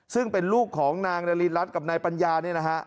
ซึ่งเป็นลูกของนางนารินรัฐกับนายปัญญาเนี่ยนะฮะ